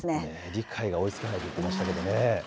理解が追いつかないと言ってましたけどね。